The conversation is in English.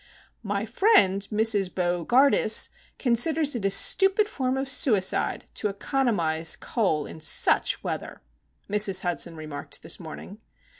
"My friend Mrs. Bo gardus considers it a stupid form of suicide to economise coal in such weather," Mrs. Hudson remarked this morning.